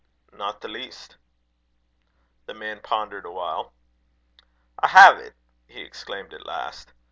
"Not the least." The man pondered a while. "I hae't," he exclaimed at last.